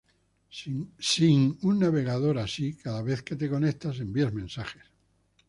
Sin un navegador así, cada vez que te conectas envías mensajes